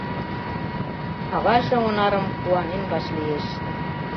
Аваже Онарым куанен вашлиеш.